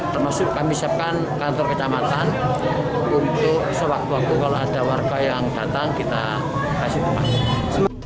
termasuk kami siapkan kantor kecamatan untuk sewaktu waktu kalau ada warga yang datang kita kasih tempat